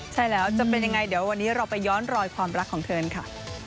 ใช่แล้วจะเป็นยังไงเดี๋ยววันนี้เราไปย้อนรอยความรักของเธอค่ะ